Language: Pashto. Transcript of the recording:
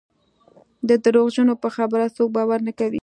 د درواغجن په خبره څوک باور نه کوي.